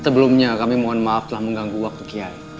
sebelumnya kami mohon maaf telah mengganggu waktu kiai